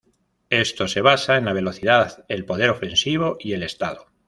Esto se basa en la velocidad, el poder ofensivo y el estado.